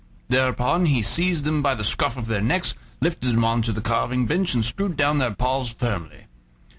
Thereupon he seized them by the scruff of their necks, lifted them on to the carving bench, and screwed down their paws firmly.